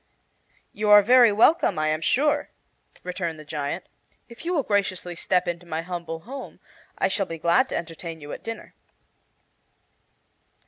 "You are very welcome, I am sure," returned the giant. "If you will graciously step into my humble home I shall be glad to entertain you at dinner."